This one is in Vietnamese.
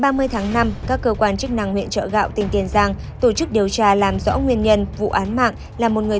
năm một nghìn chín trăm chín mươi năm cùng ngụ ấp an thọ xã an thạnh thủy